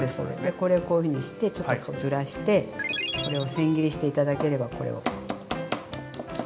これこういうふうにしてちょっとずらしてこれをせん切りして頂ければこれを。